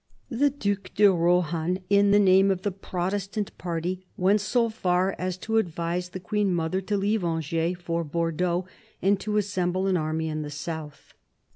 The Due de Rohan, in the name of the Protestant party, went so far as to advise the Queen mother to leave Angers for Bordeaux and to assemble an army in the South.